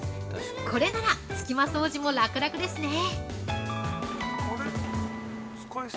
これなら隙間掃除も楽々ですね！